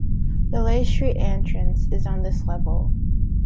The Leigh Street entrance is on this level.